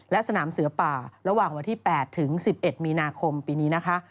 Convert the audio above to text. และสนามเสือป่าระหว่างวันที่๘ถึง๑๑มีนาคมปีนี้นะคะ